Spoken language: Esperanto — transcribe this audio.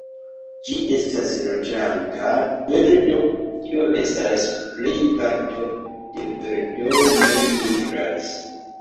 Ĝi estas loĝanta birdo, tio estas, plej parto de birdoj ne migras.